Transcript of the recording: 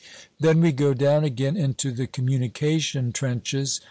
Then we go down again into the communication trenches.